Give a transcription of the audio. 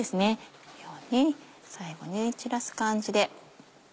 このように最後に散らす感じで。